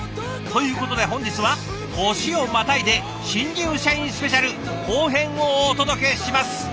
ということで本日は年をまたいで「新入社員スペシャル」後編をお届けします。